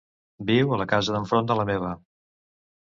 Viu a la casa d'enfront de la meva.